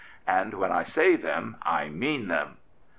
And when I say them I mean them."